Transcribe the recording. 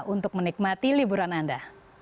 untuk menikmati liburan anda